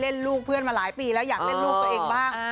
ลูกเพื่อนมาหลายปีแล้วอยากเล่นลูกตัวเองบ้าง